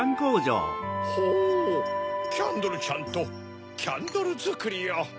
ほぉキャンドルちゃんとキャンドルづくりを。